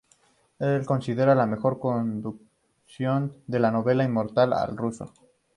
Es considerada la mejor traducción de la novela inmortal al ruso.